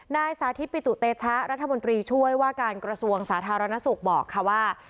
นายสาธิตปิตุเตชะรัฐมนตรีช่วยว่าการกระทรวงสาธารณสุขบอกค่ะว่า